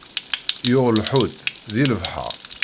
Yuɣ lḥut, di lebḥeṛ.